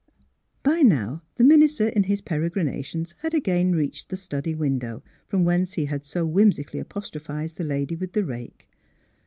" By now the minister in his peregrinations had again reached the study window, from whence he had so whimsically apostrophised the lady with the rake.